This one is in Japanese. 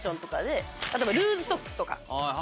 例えばルーズソックスとか。